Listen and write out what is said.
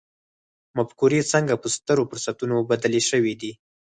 مفکورې څنګه په سترو فرصتونو بدلې شوې دي.